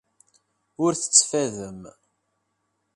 Ur tettfadem.